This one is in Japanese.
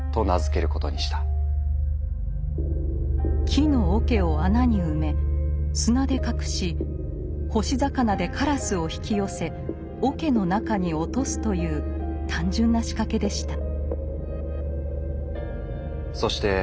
木の桶を穴に埋め砂で隠し干し魚で鴉を引き寄せ桶の中に落とすという単純な仕掛けでした。